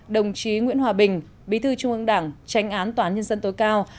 đồng chí nguyễn hòa bình bí thư trung ương đảng tranh án toán nhân dân tối cao